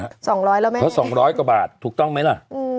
ก็๒๐๐กว่าบาทถูกต้องไหมล่ะ